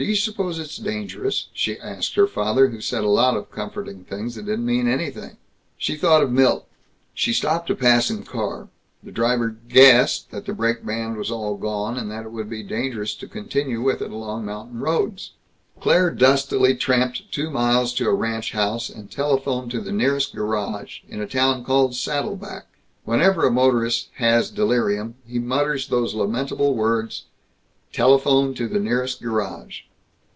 "Do you suppose it's dangerous?" she asked her father, who said a lot of comforting things that didn't mean anything. She thought of Milt. She stopped a passing car. The driver "guessed" that the brake band was all gone, and that it would be dangerous to continue with it along mountain roads. Claire dustily tramped two miles to a ranch house, and telephoned to the nearest garage, in a town called Saddle Back. Whenever a motorist has delirium he mutters those lamentable words, "Telephoned to the nearest garage."